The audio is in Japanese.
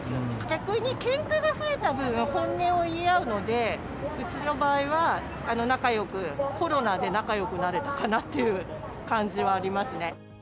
逆にけんかが増えた分、本音を言い合うので、うちの場合は、仲よく、コロナで仲よくなれたかなって感じはありますね。